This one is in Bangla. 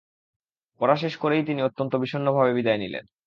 পড়া শেষ করেই তিনি অত্যন্ত বিষন্নভাবে বিদায় নিলেন।